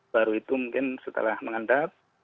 baru itu mungkin setelah mengendap